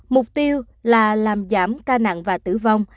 mục tiêu là làm giảm ca nặng và tử vong